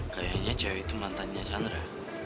kayaknya jauh itu mantannya chandra